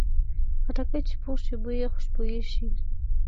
خټکی چې پوخ شي، بوی یې خوشبویه شي.